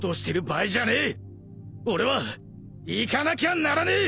俺は行かなきゃならねえ。